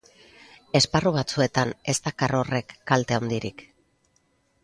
Esparru batzuetan ez dakar horrek kalte handirik.